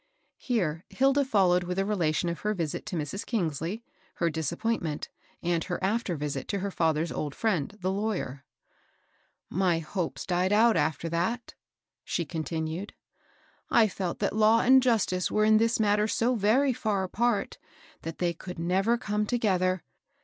Here Hilda followed with a relation of her visit to Mrs. Kingsley, her disappointment, and her after visit to her fitther's old friend, the lawyer. " My hopes died out after that," she continued, *' I felt that law and justice were in this matter so very far apart, that they could never come togeth BARBARA STRAND. 413 ^r.